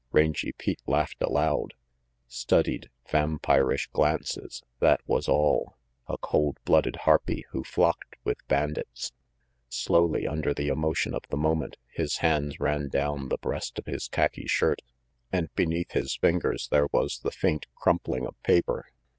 Rangy Pete laughed aloud. Studied, vampirish glances, that was all. A cold blooded harpy who flocked with bandits! Slowly, under the emotion of the moment, his hands ran down the breast of his khaki shirt, and beneath his fingers there was the faint crumpling of paper.